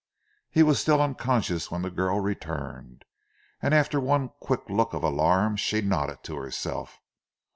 He was still unconscious when the girl returned, and after one quick look of alarm she nodded to herself.